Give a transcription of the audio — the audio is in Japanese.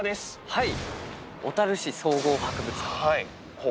はい。